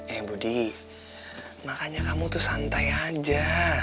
eh budi makanya kamu tuh santai aja